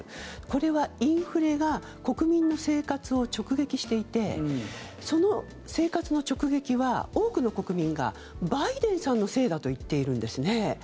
これはインフレが国民の生活を直撃していてその生活の直撃は、多くの国民がバイデンさんのせいだと言っているんですね。